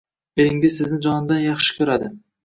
Eringiz sizni jonidan yaxshi ko‘radi.